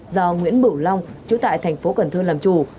do nguyễn bửu long chú tại thành phố cần thơ làm chủ